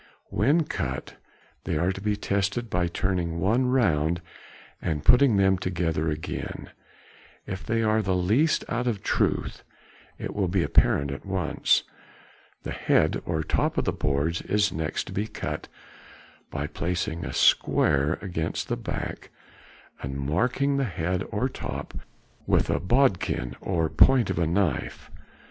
When cut they are to be tested by turning one round and putting them together again; if they are the least out of truth it will be apparent at once. The head or top of the boards is next to be cut by placing a square against the back and marking the head or top with a bodkin or point of a knife.